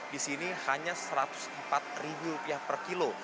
di sini hanya satu ratus empat ribu rupiah per kilo